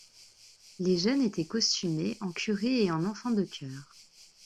Les jeunes étaient costumés en curés et en enfants de chœur.